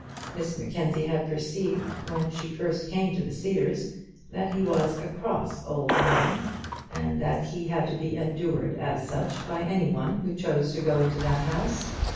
Miss Mackenzie had perceived, when she first came to the Cedars, that he was a cross old man, and that he had to be endured as such by any one who chose to go into that house.